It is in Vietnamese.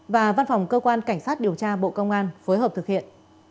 và văn phòng cơ quan cảnh sát điều tra bộ công an phối hợp thực hiện